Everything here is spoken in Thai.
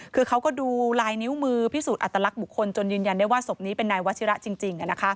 คือเขาก็ดูลายนิ้วมือพิสูจน์อัตลักษณ์บุคคลจนยืนยันได้ว่าศพนี้เป็นนายวัชิระจริง